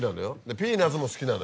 ピーナッツも好きなのよ。